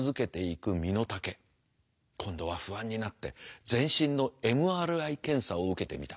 今度は不安になって全身のＭＲＩ検査を受けてみた。